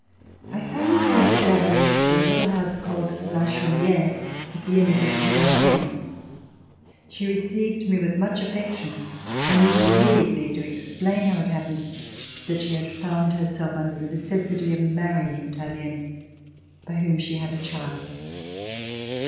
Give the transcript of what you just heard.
I found her established in a little house called "La Chaumiere" at the end of the Cours la Reine. She received me with much affection and wished immediately to explain how it happened that she had found herself under the necessity of marrying Tallien, by whom she had a child.